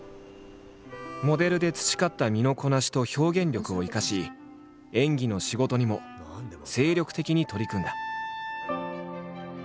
モデルで培った身のこなしと表現力を生かし演技の仕事にも精力的に取り組んだ。